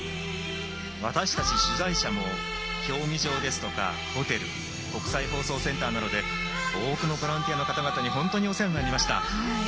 私たち取材者も競技場ですとか、ホテル国際放送センターなどで多くのボランティアの方々にお世話になりました。